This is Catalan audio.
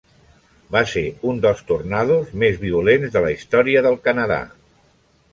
Va ser un dels tornados més violents de la història del Canadà.